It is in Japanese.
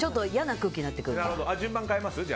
順番変えます？